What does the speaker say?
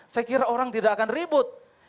saya kira orang tidak akan ribut